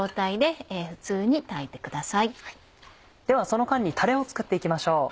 その間にタレを作って行きましょう。